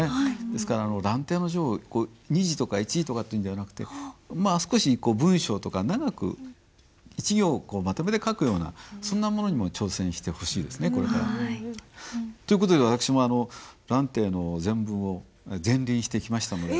ですから「蘭亭序」を２字とか１字とかっていうんではなくて少し文章とか長く１行まとめて書くようなそんなものにも挑戦してほしいですねこれから。という事で私も「蘭亭」の全文を全臨してきましたので。